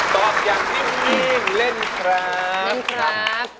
ตอบอย่างนิ่งเล่นครับ